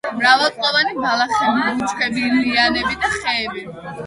მრავალწლოვანი ბალახები, ბუჩქები, ლიანები და ხეებია.